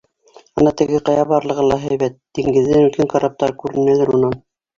Ана теге ҡая барлығы ла һәйбәт, диңгеҙҙән үткән караптар күренәлер унан...